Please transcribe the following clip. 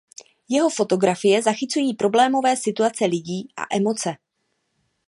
Jeho fotografie zachycují problémové situace lidí a emoce.